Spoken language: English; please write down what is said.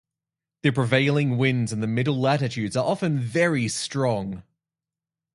The prevailing winds in the middle latitudes are often very strong.